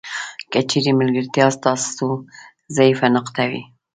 که چیرې ملګرتیا ستاسو ضعیفه نقطه وي.